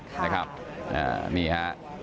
คือถ้าสนับสร้างวัลซาก๔๐นาทีได้